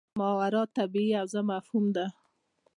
ماورا الطبیعي حوزه مفهوم دی.